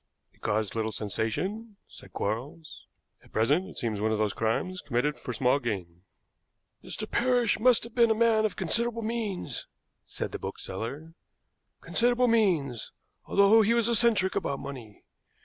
"It caused little sensation," said Quarles. "At present it seems one of those crimes committed for small gain." "Mr. Parrish must have been a man of considerable means," said the bookseller; "considerable means, although he was eccentric about money.